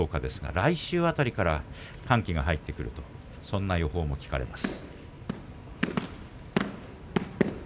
来週辺りは寒気が入ってくるとそんな予報も聞かれます。